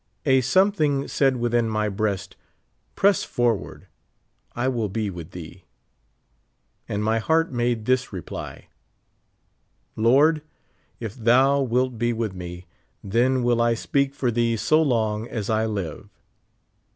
A something said within my breast, "press forward, I will be with thee." And my heart made this repl} : "Lord, if thou wilt be v/ith me, then will I speak for thee so long as I live."